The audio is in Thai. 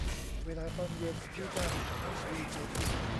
เวลาตอนเย็นที่นั่นช่างดีเสียจริง